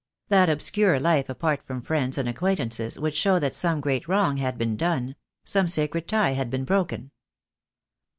That obscure life apart from friends and acquaintances would show that some great wrong had been done, some sacred tie had been broken.